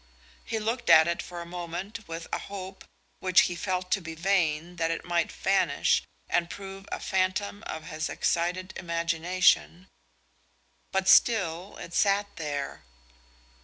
He looked at it for a moment with a hope, which he felt to be vain, that it might vanish and prove a phantom of his excited imagination, but still it sat there.